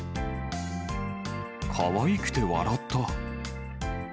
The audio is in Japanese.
かわいくて笑った。